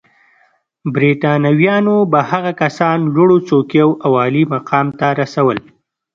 برېټانویانو به هغه کسان لوړو څوکیو او عالي مقام ته رسول.